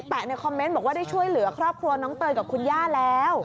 ในคอมเมนต์บอกว่าได้ช่วยเหลือครอบครัวน้องเตยกับคุณย่าแล้ว